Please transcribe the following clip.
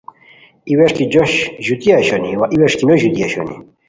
ای ویݰکی جوش ژوتی اوشونی َوا ای ویݰکی نو ژوتی اوشونی